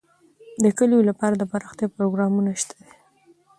د کلیو لپاره دپرمختیا پروګرامونه شته دي.